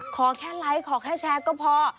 ขอแค่ไลค์ขอแค่แชร์ก็พอ